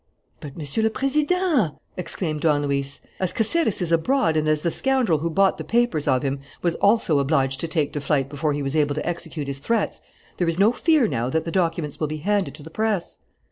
"But, Monsieur le Président," exclaimed Don Luis, "as Caceres is abroad and as the scoundrel who bought the papers of him was also obliged to take to flight before he was able to execute his threats, there is no fear now that the documents will be handed to the press."